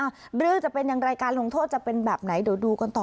เรื่องจะเป็นอย่างไรการลงโทษจะเป็นแบบไหนเดี๋ยวดูกันต่อ